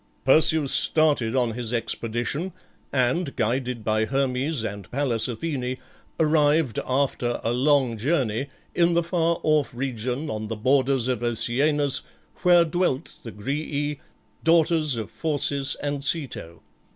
Perseus started on his expedition, and, guided by Hermes and Pallas Athene, arrived, after a long journey, in the far off region, on the borders of Oceanus, where dwelt the Grææ, daughters of Phorcys and Ceto.